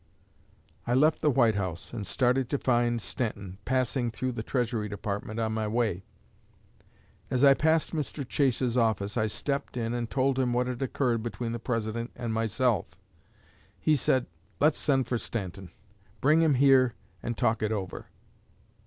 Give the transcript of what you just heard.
I left the White House and started to find Stanton, passing through the Treasury Department on my way. As I passed Mr. Chase's office, I stepped in and told him what had occurred between the President and myself. He said, 'Let's send for Stanton; bring him here and talk it over.'